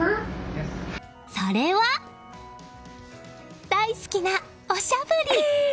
それは、大好きなおしゃぶり。